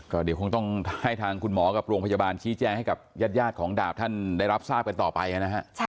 ก็เดี๋ยวคงต้องให้ทางคุณหมอกับโรงพยาบาลชี้แจงให้กับญาติของดาบท่านได้รับทราบกันต่อไปนะฮะ